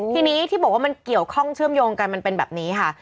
ทีนี้ที่บอกว่ามันเกี่ยวข้องเชื่อมโยงกันมันเป็นแบบนี้ค่ะ